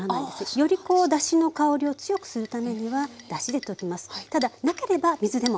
よりこうだしの香りを強くするためにはだしで溶きます。